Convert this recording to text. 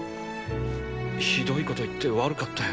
ひどいこと言って悪かったよ。